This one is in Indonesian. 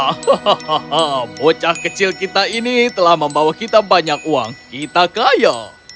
hahaha bocah kecil kita ini telah membawa kita banyak uang kita kaya